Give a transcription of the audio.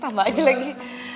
tambah aja lagi